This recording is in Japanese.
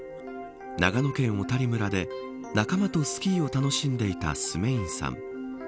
長野県小谷村で仲間とスキーを楽しんでいたスメインさん。